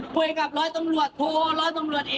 คุยกับร้อยตำรวจโทรร้อยตำรวจเอก